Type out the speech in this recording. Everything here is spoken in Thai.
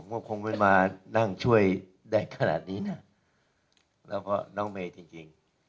ก็คงไม่มานั่งช่วยได้ขนาดนี้นะแล้วก็น้องเมย์จริง